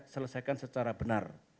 selesaikan secara benar